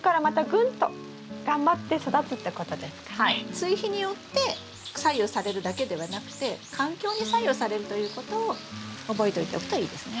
追肥によって左右されるだけではなくて環境に左右されるということを覚えておいておくといいですね。